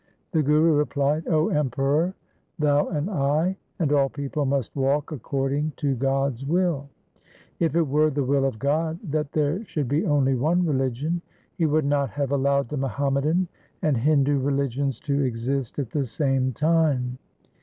The Guru replied, ' 0 Emperor, thou and I and all people must walk according to God' s will . If it were the will of God that there should be only one religion, He would not have allowed theMuhammadan and Hindu religions to exist at the same time.